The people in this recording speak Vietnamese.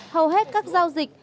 hầu hết các giao dịch